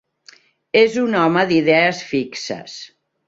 És un home d'idees fixes.